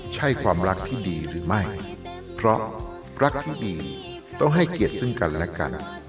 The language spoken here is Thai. ใช่ความรักที่ดีหรือไม่เพราะรักที่ดีต้องให้เกียรติซึ่งกันและกัน